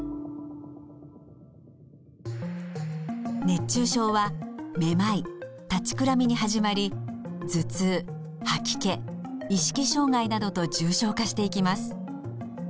熱中症はめまい立ちくらみに始まり頭痛吐き気意識障害などと重症化していきます。